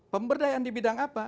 pemberdayaan di bidang apa